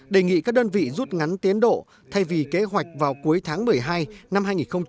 đề nghị các đơn vị rút ngắn tiến độ thay vì kế hoạch vào cuối tháng một mươi hai năm hai nghìn hai mươi